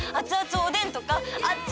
おでんとかあっつい